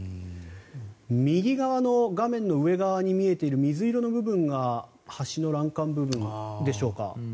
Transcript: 右側の画面の上側に見えている水色の部分が橋の欄干部分でしょうか。